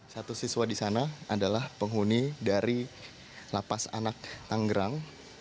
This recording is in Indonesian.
satu siswa di sana adalah penghuni dari lapas anak tanggerang